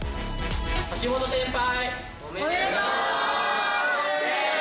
橋本先輩